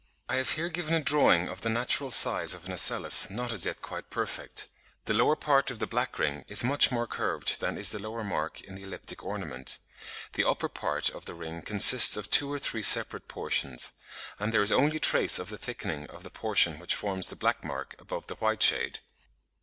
I have here given a drawing (Fig. 60) of the natural size of an ocellus not as yet quite perfect. The lower part of the black ring is much more curved than is the lower mark in the elliptic ornament (b, Fig. 59). The upper part of the ring consists of two or three separate portions; and there is only a trace of the thickening of the portion which forms the black mark above the white shade.